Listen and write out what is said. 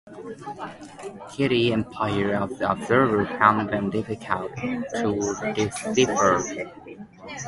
Kitty Empire of "The Observer" found them difficult to decipher.